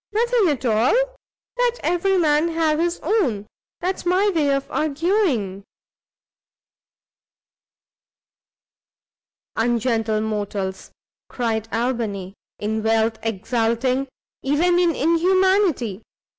nothing at all. Let every man have his own; that's my way of arguing." "Ungentle mortals!" cried Albany, "in wealth exulting; even in inhumanity!